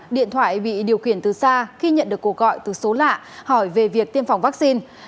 điện thoại bị điều khiển từ xa khi nhận được cô gọi từ số lạ hỏi về việc tiêm phòng vaccine